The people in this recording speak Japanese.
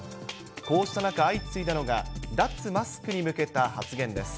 こうした中、相次いだのが脱マスクに向けた発言です。